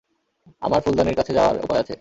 আমার ফুলদানির কাছে যাওয়ার উপায় আছে।